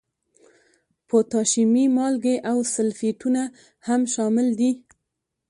پوتاشیمي مالګې او سلفیټونه هم شامل دي.